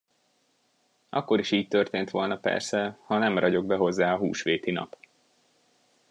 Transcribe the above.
Akkor is így történt volna persze, ha nem ragyog be hozzá a húsvéti nap.